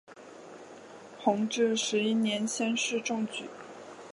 弘治十一年乡试中举。